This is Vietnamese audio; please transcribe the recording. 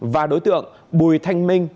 và đối tượng bùi thanh minh